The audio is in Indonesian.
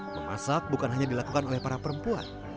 memasak bukan hanya dilakukan oleh para perempuan